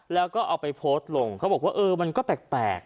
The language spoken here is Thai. แล้วก็เอาไปโพสต์ลงเขาบอกว่าเออมันก็แปลก